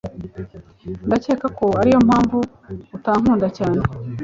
Ndakeka ko ariyo mpamvu utankunda cyane.